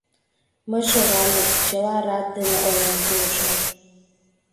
Мый шогальым, чыла рат дене ойлен пуышым.